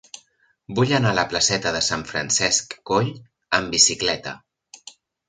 Vull anar a la placeta de Sant Francesc Coll amb bicicleta.